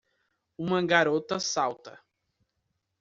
Uma garota salta.